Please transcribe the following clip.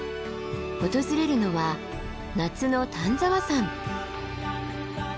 訪れるのは夏の丹沢山。